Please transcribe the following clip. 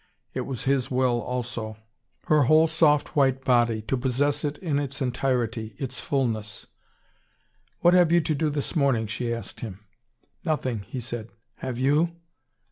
It was his will also. Her whole soft white body to possess it in its entirety, its fulness. "What have you to do this morning?" she asked him. "Nothing," he said. "Have you?"